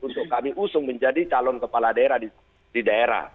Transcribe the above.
untuk kami usung menjadi calon kepala daerah di daerah